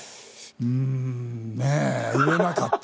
うんねぇ言えなかった。